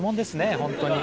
本当に。